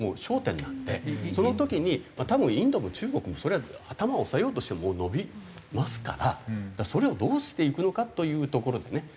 その時に多分インドも中国もそりゃ頭を押さえようとしても伸びますからそれをどうしていくのかというところでね。